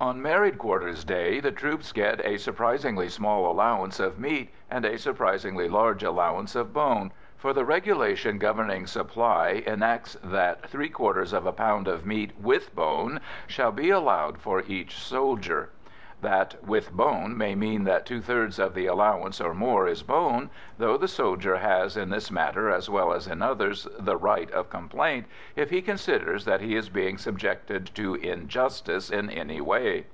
On married quarters' days the troops get a surprisingly small allowance of meat and a surprisingly large allowance of bone, for the regulation governing supply enacts that "three quarters of a pound of meat with bone" shall be allowed for each soldier. That "with bone" may mean that two thirds of the allowance or more is bone, though the soldier has in this matter as well as in others the right of complaint if he considers that he is being subjected to injustice in any way.